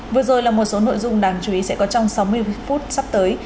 vừa rồi là một số nội dung đáng chú ý sẽ có trong sáu mươi phút sắp tới